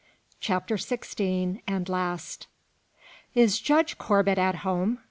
CHAPTER XVI AND LAST. "Is Judge Corbet at home?